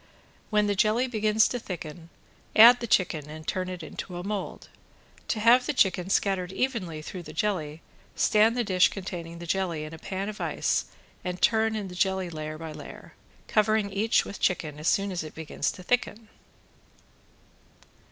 When the jelly begins to thicken add the chicken and turn it into a mold. To have the chicken scattered evenly through the jelly, stand the dish containing the jelly in a pan of ice and turn in the jelly layer by layer, covering each with chicken as soon as it begins to thicken.